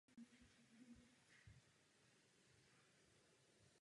Jmenovitě se jedná o Montreal Canadiens a Winnipeg Jets.